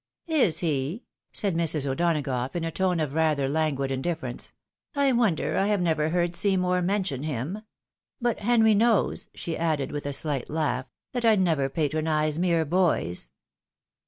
" Is he ?" said Mrs. O'Donagough, in a tone of rather languid indiflference ;" I wonder I have never heard Seymour mention him. But Henry knows," she added, with a shght laugh, " that I never patronise mere boys."